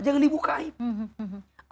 jangan dibuka aib